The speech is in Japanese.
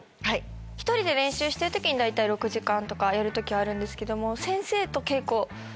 １人で練習してる時に大体６時間とかやる時はあるんですけども。